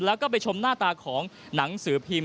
แล้วก็ไปชมหน้าตาของหนังสือพิมพ์